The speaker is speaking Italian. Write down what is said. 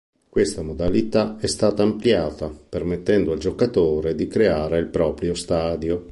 Questa modalità è stata ampliata, permettendo al giocatore di creare il proprio stadio.